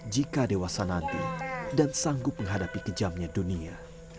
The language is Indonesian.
jika dewasa nanti dan sanggup menghadapi kejamnya dunia